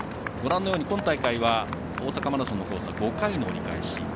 今大会、大阪マラソンのコースは５回の折り返し。